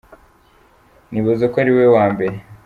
"Nibaza ko ari we wa mbere.